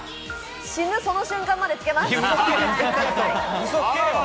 死ぬその瞬間までつけます。